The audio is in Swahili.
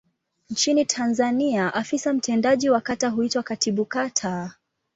Nchini Tanzania afisa mtendaji wa kata huitwa Katibu Kata.